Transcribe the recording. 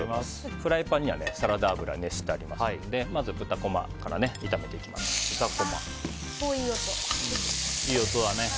フライパンにはサラダ油を熱してありますのでいい音だね。